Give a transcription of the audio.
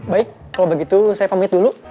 baik kalau begitu saya pamit dulu